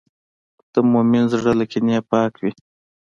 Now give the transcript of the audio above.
د مؤمن زړه له کینې پاک وي.